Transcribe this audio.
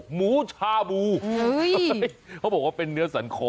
หมูชาบูเขาบอกว่าเป็นเนื้อสันคอ